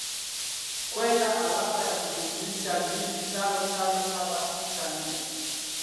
kwenda alama ya kujumlisha mbili tano tano saba sita nne